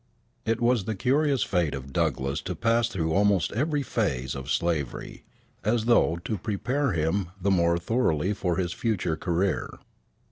It was the curious fate of Douglass to pass through almost every phase of slavery, as though to prepare him the more thoroughly for his future career.